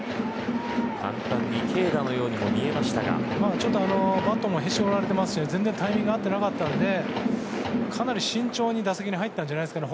簡単に軽打のようにも見えましたが全然タイミング合ってなかったんでかなり慎重に打席に入ったんじゃないですかね。